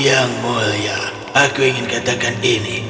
yang mulia aku ingin katakan ini